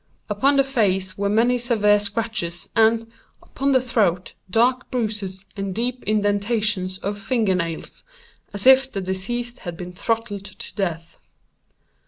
Upon the face were many severe scratches, and, upon the throat, dark bruises, and deep indentations of finger nails, as if the deceased had been throttled to death.